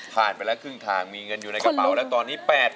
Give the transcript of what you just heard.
ไปแล้วครึ่งทางมีเงินอยู่ในกระเป๋าแล้วตอนนี้